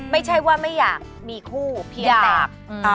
ไม่ใช่ว่าไม่อยากมีคู่เพียงแต่